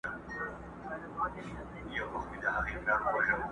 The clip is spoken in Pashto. چي ملګری د سفر مي د بیابان یې!!